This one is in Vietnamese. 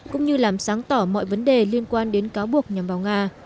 cũng như làm sáng tỏ mọi vấn đề liên quan đến cáo buộc nhằm vào nga